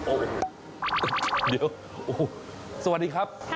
โอ้โหเดี๋ยวสวัสดีครับ